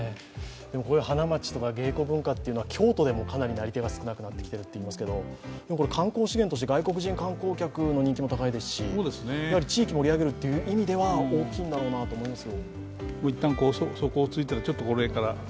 こういう花街とか芸子文化というのは京都でもなり手が少なくなっていると聞くんですけど観光資源として外国人観光客の人気も高いですし地域を盛り上げるという意味では、大きいんだろうなと思います。